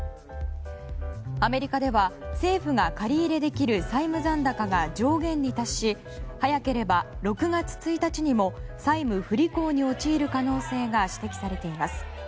アメリカでは政府が借り入れできる債務残高が上限に達し早ければ６月１日にも債務不履行に陥る可能性が指摘されています。